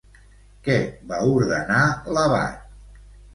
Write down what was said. Què va ordenar l'abat?